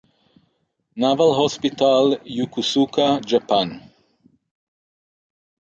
Naval Hospital, Yokosuka, Japan.